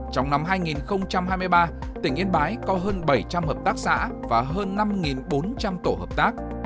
trong năm hai nghìn hai mươi ba tỉnh yên bái có hơn bảy trăm linh hợp tác xã và hơn năm bốn trăm linh tổ hợp tác